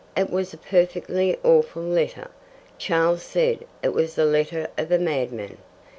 "It was a perfectly awful letter. Charles said it was the letter of a madman.